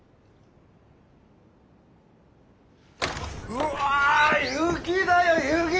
うわ雪だよ雪！